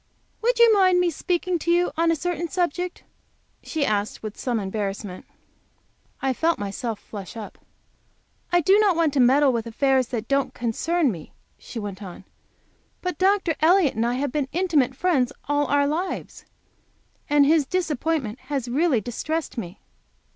"Would you mind my speaking to you on a certain subject?" she asked, with some embarrassment. I felt myself flush up. "I do not want to meddle with affairs that don't concern me," she went on, "but Dr. Elliott and I have been intimate friends all our lives. And his disappointment has really distressed me."